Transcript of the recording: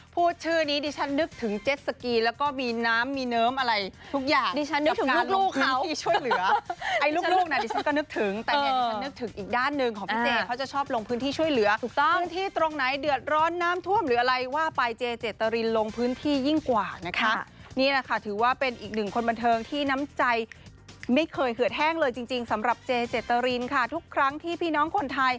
พูดชื่อนี้ดิฉันนึกถึงเจ็ตสกีแล้วก็มีน้ำมีเนิมอะไรทุกอย่าง